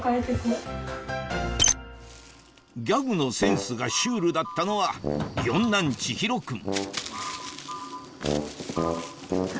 ギャグのセンスがシュールだったのは四男・智広君